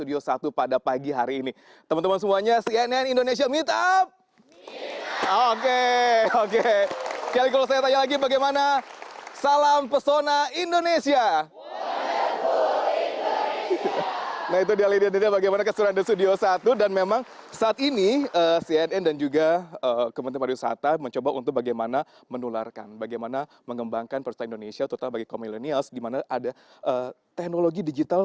dimana ada teknologi digital